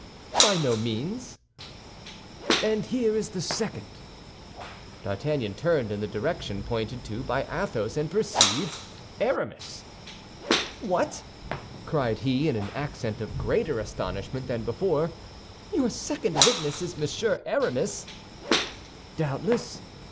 "By no means." "And here is the second." D'Artagnan turned in the direction pointed to by Athos, and perceived Aramis. "What!" cried he, in an accent of greater astonishment than before, "your second witness is Monsieur Aramis?" "Doubtless!